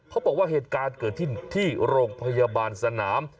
เขาบอกว่าเหตุการณ์เกิดที่โรงพยาบาลสนาม